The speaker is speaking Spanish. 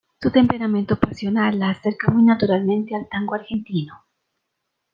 Su temperamento pasional la acerca muy naturalmente al tango argentino.